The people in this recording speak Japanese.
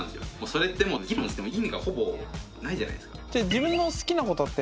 それってもう議論しても意味がほぼないじゃないですか。